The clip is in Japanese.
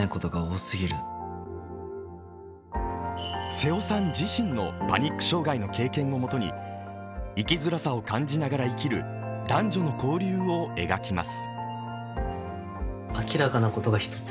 瀬尾さん自身のパニック障害の経験をもとに生きづらさを感じながら生きる男女の交流を描きます。